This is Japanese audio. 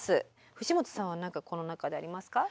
藤本さんは何かこの中でありますか？